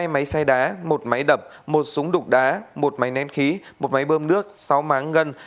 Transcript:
hai máy xay đá một máy đập một súng đục đá một máy nén khí một máy bơm nước sáu máng ngân